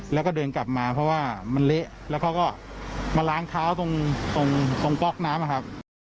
แล้วก็เดินกลับมาเพราะว่ามันเละแล้วเขาก็มาล้างเท้าตรงก๊อกน้ำอะครับ